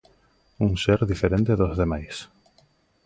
Un ser diferente dos demais.